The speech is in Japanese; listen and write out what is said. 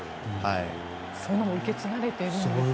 それも受け継がれているんですね。